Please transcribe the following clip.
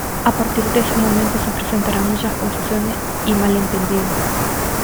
A partir de ese momento se presentarán muchas confusiones y malentendidos.